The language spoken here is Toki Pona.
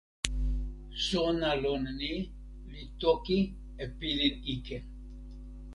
sona lon ni li toki e pilin ike.